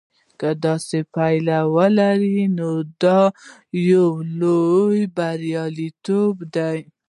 که داسې پایله ولري نو دا یو لوی بریالیتوب دی.